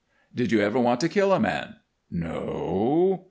"Did you ever want to kill a man?" "No."